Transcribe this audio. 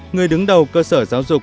người đứng đầu cơ sở giáo dục